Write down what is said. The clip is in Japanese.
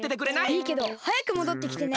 いいけどはやくもどってきてね。